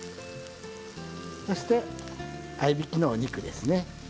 そして合いびきのお肉ですね。